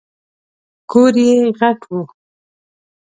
کور یې غټ و .